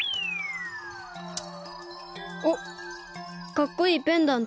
おっかっこいいペンダントだ。